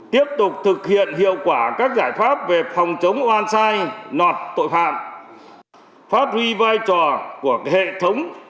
tiếp tục thực hiện hiệu quả các giải pháp về phòng chống oan sai nọt tội phạm phát huy vai trò của hệ thống